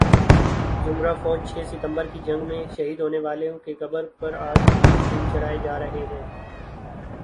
ذمرہ فوج چھ ستمبر کی جنگ میں شہید ہونے والوں کی قبروں پر آج بھی پھول چڑھائے جا رہے ہیں